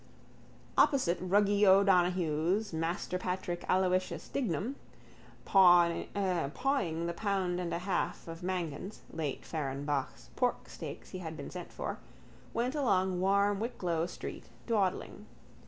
Opposite Ruggy O'Donohoe's Master Patrick Aloysius Dignam, pawing the pound and a half of Mangan's, late Fehrenbach's, porksteaks he had been sent for, went along warm Wicklow street dawdling.